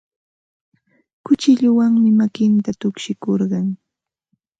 Kuchilluwanmi makinta tukshikurqun.